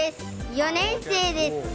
４年生です。